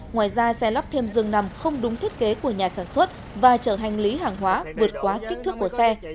ngoài ra xe lắp thêm dương nằm không đúng thiết kế của nhà sản xuất và chở hành lý hàng hóa vượt quá kích thước của xe